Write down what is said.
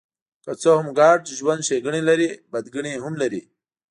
که څه هم ګډ ژوند ښېګڼې لري، بدګڼې هم لري.